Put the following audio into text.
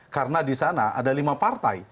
karena di sana ada lima partai